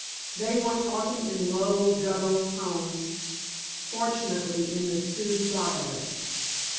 They were talking in low, guttural tones, fortunately in the Sioux dialect.